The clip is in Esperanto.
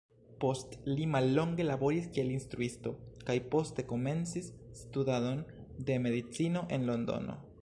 Post li mallonge laboris kiel instruisto, kaj poste komencis studadon de medicino en Londono.